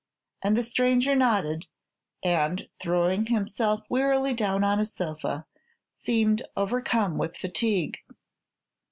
And the stranger nodded, and throwing himself wearily down on a sofa, seemed overcome with fatigue.